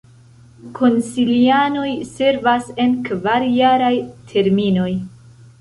Konsilianoj servas en kvar-jaraj terminoj.